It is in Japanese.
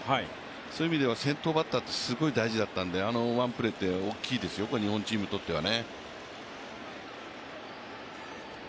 そういう意味では先頭バッターってすごい大事だったんで、あのワンプレーって、日本チームにとっては大きいですよ。